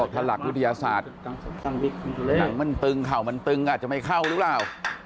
ถ้าหลักวิทยาศาสตร์หนังมันตึงเข่ามันตึงอาจจะไม่เข้าหรือเปล่า